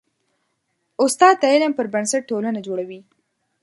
استاد د علم پر بنسټ ټولنه جوړوي.